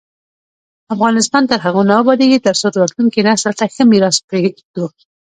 افغانستان تر هغو نه ابادیږي، ترڅو راتلونکي نسل ته ښه میراث پریږدو.